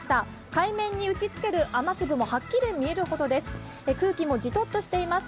海面に打ちつける雨粒もはっきり見えるほどです。